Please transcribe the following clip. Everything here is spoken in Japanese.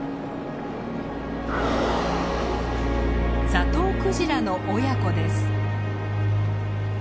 ザトウクジラの親子です。